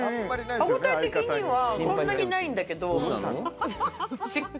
歯応え的にはそんなにないんだけど。